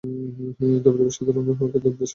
ধবধবে সাদা রঙের ফ্রকে তাকে দেবশিশুর মতো লাগছে।